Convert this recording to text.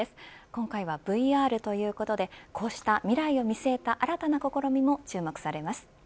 今回はＶＲということでこうした未来を見据えた新たな試みも注目されます。